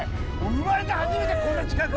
生まれて初めてこんな近く。